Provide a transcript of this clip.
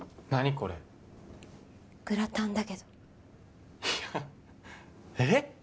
これグラタンだけいやえっ？